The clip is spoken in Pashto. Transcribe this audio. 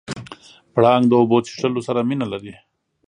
پړانګ د اوبو څښلو سره مینه لري.